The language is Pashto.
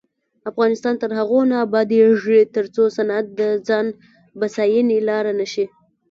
افغانستان تر هغو نه ابادیږي، ترڅو صنعت د ځان بسیاینې لاره نشي.